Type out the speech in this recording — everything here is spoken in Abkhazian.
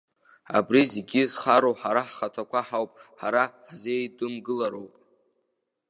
Абри зегьы зхароу ҳара ҳхаҭақәа ҳауп, ҳара ҳзеидымгылароуп.